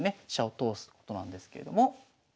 飛車を通すことなんですけれども。